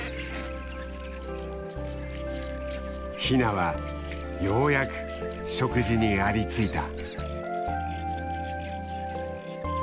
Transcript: ヒナはようやく食事にありついた。